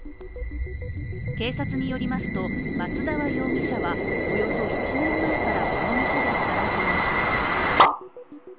警察によりますと松沢容疑者は、およそ１年前からこの店で働いていました。